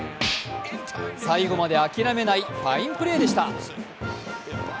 最後まで諦めないファインプレーでした。